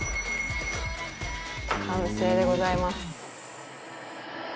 完成でございます。